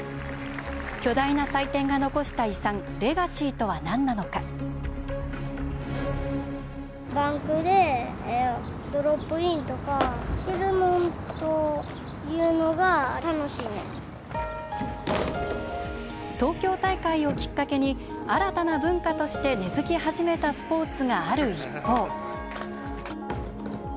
巨大な祭典が残した遺産「レガシー」とはなんなのか東京大会をきっかけに新たな文化として根づき始めたスポーツがある一方。